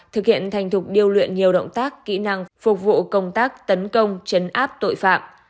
thực hiện thành thục điêu luyện nhiều động tác kỹ năng phục vụ công tác tấn công chấn áp tội phạm